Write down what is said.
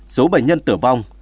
số bệnh nhân tử vong